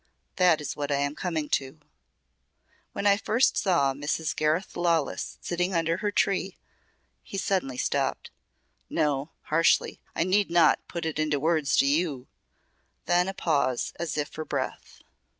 That is what I am coming to. When I first saw Mrs. Gareth Lawless sitting under her tree " He suddenly stopped. "No," harshly, "I need not put it into words to you." Then a pause as if for breath.